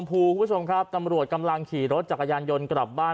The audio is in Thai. น้องบรรลงพอพวกคุณผู้ชมครับตำรวจกำลังขี่รถจากอาญายนกลับบ้าน